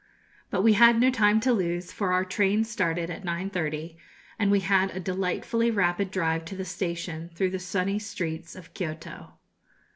But we had no time to lose, for our train started at 9.30, and we had a delightfully rapid drive to the station through the sunny streets of Kioto.